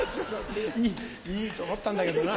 いいと思ったんだけどな。